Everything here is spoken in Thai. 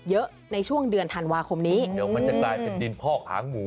เยอะในช่วงเดือนธันวาคมนี้เดี๋ยวมันจะกลายเป็นดินพอกหางหมู